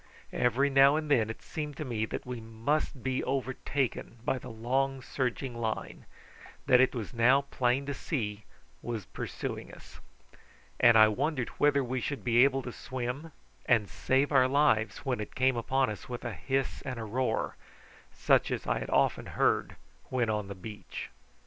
Every now and then it seemed to me that we must be overtaken by the long surging line, that it was now plain to see was pursuing us, and I wondered whether we should be able to swim and save our lives when it came upon us with a hiss and a roar, such as I had often heard when on the beach.